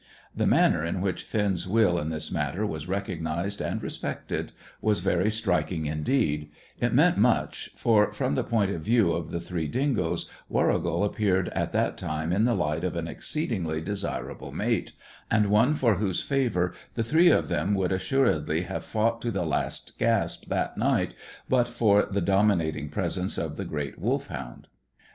The manner in which Finn's will in this matter was recognized and respected was very striking indeed; it meant much, for, from the point of view of the three dingoes, Warrigal appeared at that time in the light of an exceedingly desirable mate, and one for whose favour the three of them would assuredly have fought to the last gasp that night but for the dominating presence of the great Wolfhound.